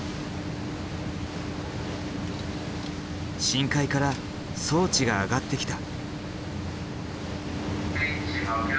深海から装置が上がってきた。